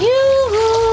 di padusan pacet mojokerto